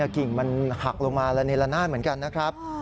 กิ่งมันหักลงมาระเนละนาดเหมือนกันนะครับ